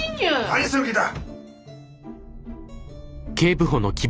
何する気だ！